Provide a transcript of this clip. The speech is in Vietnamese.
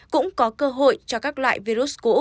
cũng có cơ hội cho các loại virus cũ